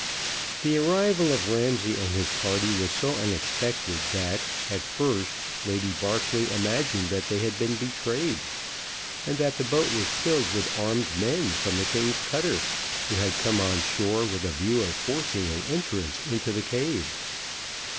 The arrival of Ramsay and his party was so unexpected, that, at first, Lady Barclay imagined they had been betrayed, and that the boat was filled with armed men from the king's cutter, who had come on shore with a view of forcing an entrance into the cave.